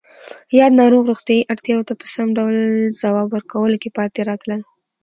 یاد ناروغ روغتیایی اړتیاوو ته په سم ډول ځواب ورکولو کې پاتې راتلل